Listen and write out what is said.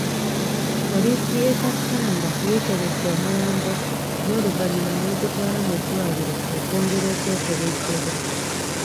Poliisi ye Kassanda yeekebezze omulambo n’oluvannyuma n'egutwala mu ddwaliro okwongera okwekebejjebwa.